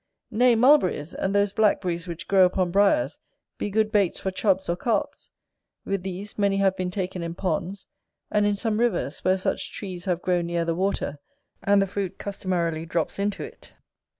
Nay, mulberries, and those black berries which grow upon briars, be good baits for Chubs or Carps: with these many have been taken in ponds, and in some rivers where such trees have grown near the water, and the fruit customarily drops into it.